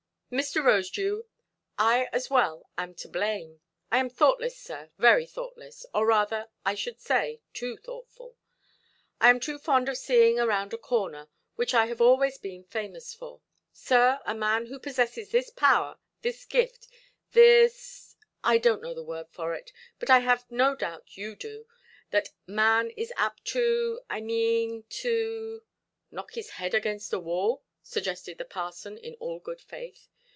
"Mr. Rosedew, I as well am to blame. I am thoughtless, sir, very thoughtless, or rather I should say too thoughtful; I am too fond of seeing round a corner, which I have always been famous for. Sir, a man who possesses this power, this gift, this—I donʼt know the word for it, but I have no doubt you do—that man is apt to—I mean to——" "Knock his head against a wall"? suggested the parson, in all good faith.